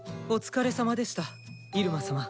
お疲れさまでした入間様。